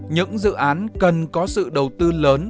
những dự án cần có sự đầu tư lớn